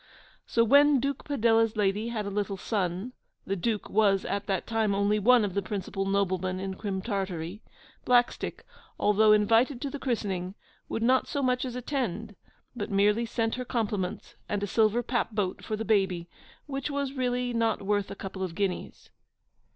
So when Duke Padella's lady had a little son (the Duke was at that time only one of the principal noblemen in Crim Tartary), Blackstick, although invited to the christening, would not so much as attend; but merely sent her compliments and a silver papboat for the baby, which was really not worth a couple of guineas.